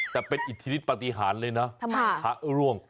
แต่เป็นอิทธิติปฏิหารเลยพระร่วง